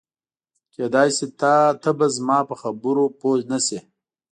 کېدای شي ته به زما په خبرو پوه نه شې.